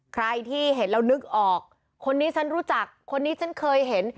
ใครที่เห็นแล้วนึกออกคนนี้ฉันรู้จักคนนี้ฉันเคยเห็น